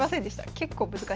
結構難しいです。